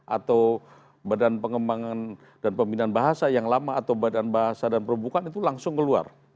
atau badan pengembangan dan pembinaan bahasa yang lama atau badan bahasa dan perbukaan itu langsung keluar